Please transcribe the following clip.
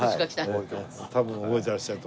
多分覚えてらっしゃると。